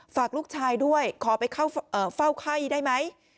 ฝากลูกชายด้วยขอไปเฝ้าไข้ได้ไหม